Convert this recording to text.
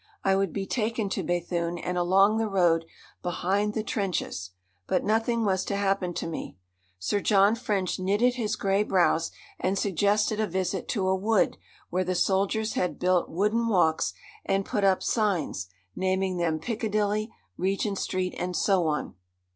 I would be taken to Béthune and along the road behind the trenches. But nothing was to happen to me. Sir John French knitted his grey brows, and suggested a visit to a wood where the soldiers had built wooden walks and put up signs, naming them Piccadilly, Regent Street, and so on.